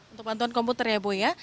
untuk bantuan komputer ya bu ya